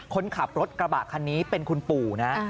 คนขับรถกระบะคันนี้เป็นคุณปู่นะ